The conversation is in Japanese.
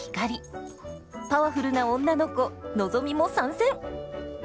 パワフルな女の子のぞみも参戦！